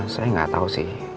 saya gak tau sih